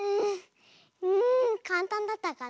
うんかんたんだったかな。